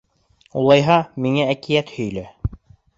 — Улайһа, миңә әкиәт һөйлә.